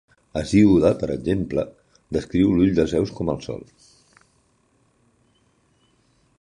Hesíode, per exemple, descriu l'ull de Zeus com el sol.